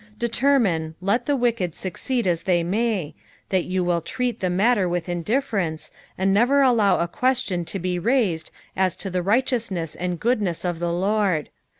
Determine, let the wicked succeed as tbej may, that you will treat the matter with indifference, PSALM THE THIBTY 3EVENTH. 191 and never bIIow a question to be rained as to the righteousness and goodoess of the Lord.